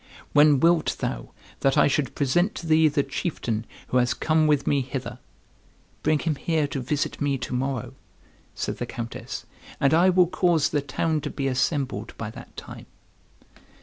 When wilt thou that I should present to thee the chieftain who has come with me hither?" "Bring him here to visit me to morrow," said the Countess, "and I will cause the town to be assembled by that time."